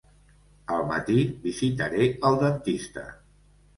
Al matí, visitaré el dentista.